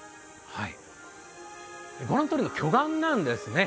御覧のとおり巨岩なんですね。